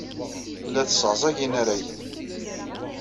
Tella tesseɛẓag inaragen.